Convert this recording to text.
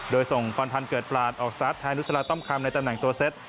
โดยส่งพรพันธ์เกิดปลาดออกสตาร์ทแทนนุษลาต้อมคำในตำแหน่งตัวเซ็ต